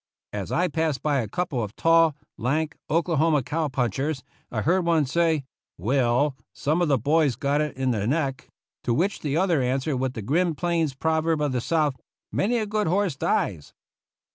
As I passed by a couple of tall, lank, Oklahoma cow punchers, I heard one say, "Well, some of the boys got it in the 105 THE ROUGH RIDERS neck !" to which the other answered with the grim plains proverb of the South: "Many a good horse dies."